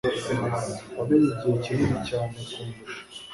Wamenye igihe kinini cyane kundusha.